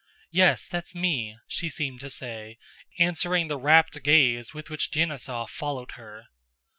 "Yes, that's me!" she seemed to say, answering the rapt gaze with which Denísov followed her.